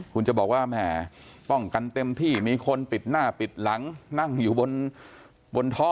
คุณจะบอกว่าแหมป้องกันเต็มที่มีคนปิดหน้าปิดหลังนั่งอยู่บนท่อ